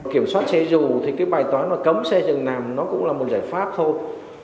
kiểm soát xe dùm thì cái bài toán cấm xe dừng nằm nó cũng là một giải pháp thôi